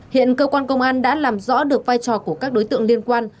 hiện cơ quan công an đã làm rõ được vai trò của các đối tượng liên quan